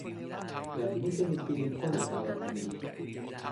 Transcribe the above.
jan mute li pilin pona tawa nimi ni.